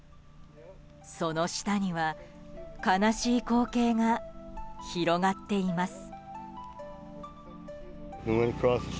その下には悲しい光景が広がっています。